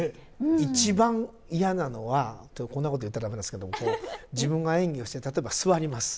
一番嫌なのはってこんなこと言ったら駄目ですけど自分が演技をして例えば座ります。